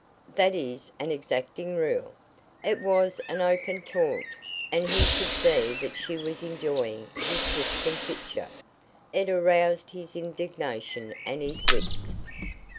That is an exacting rule." It was an open taunt, and he could see that she was enjoying his discomfiture. It aroused his indignation and his wits.